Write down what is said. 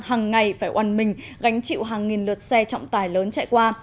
hàng ngày phải oan mình gánh chịu hàng nghìn lượt xe trọng tài lớn chạy qua